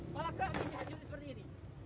malah kami dihacuri seperti ini